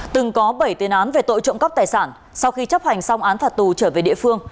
từng có bảy tiền án về tội trộm cắp tài sản sau khi chấp hành xong án thả tù trở về địa phương